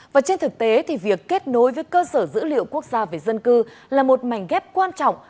và trên thực tế thì việc kết nối với cơ sở dữ liệu quốc gia về dân cư là một mảnh ghép quan trọng